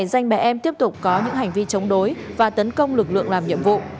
danh mẹ em tiếp tục có những hành vi chống đối và tấn công lực lượng làm nhiệm vụ